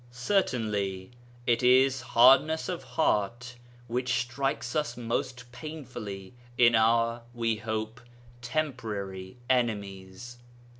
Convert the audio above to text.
Certainly it is hardness of heart which strikes us most painfully in our (we hope) temporary enemies.